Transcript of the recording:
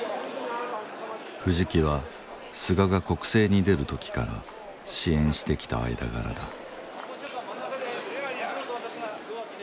藤木は菅が国政に出る時から支援してきた間柄だ